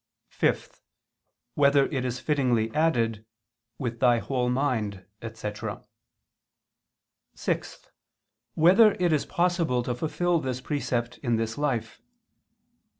(5) Whether it is fittingly added: "With thy whole mind," etc.? (6) Whether it is possible to fulfil this precept in this life?